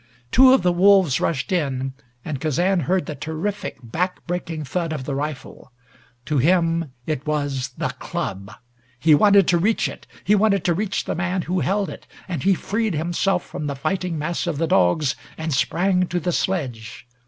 Two of the wolves rushed in, and Kazan heard the terrific, back breaking thud of the rifle. To him it was the club. He wanted to reach it. He wanted to reach the man who held it, and he freed himself from the fighting mass of the dogs and sprang to the sledge.